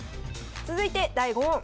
続いて第５問。